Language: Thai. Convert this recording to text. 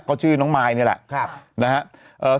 ก็ชื่อน้องมายนี่แหละนะครับ